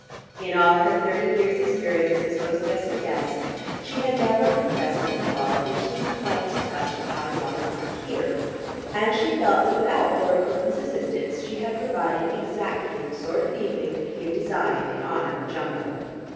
In all her thirty years' experience, as hostess or guest, she had never been present at a ball which seemed quite to touch the high water mark here, and she felt that without Lord Cookham's assistance she had provided exactly the sort of evening that he had designed, in honour of Jumbo.